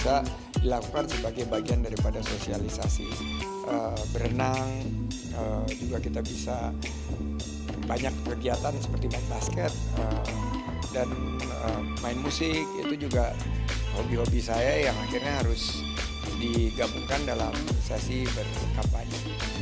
bisa dilakukan sebagai bagian daripada sosialisasi berenang juga kita bisa banyak kegiatan seperti main basket dan main musik itu juga hobi hobi saya yang akhirnya harus digabungkan dalam sesi berkampanye